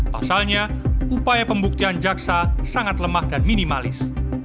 pasalnya upaya pembuktian jaksa sangat lemah dan minimalis